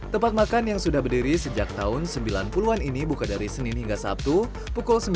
tempat makan yang sudah berdiri sejak tahun sembilan puluh an ini buka dari senin hingga sabtu pukul sembilan